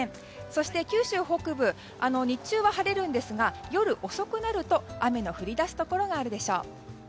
そして九州北部日中は晴れるんですが夜遅くなると雨の降りだすところがあるでしょう。